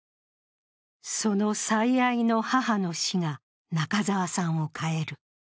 その最愛の母の死が中沢さんを変える。